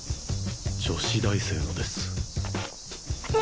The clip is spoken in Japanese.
女子大生のですお